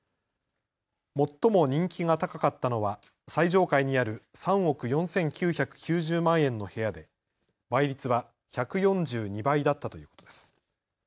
最も人気が高かったのは最上階にある３億４９９０万円の部屋で倍率は１４２倍だったということです。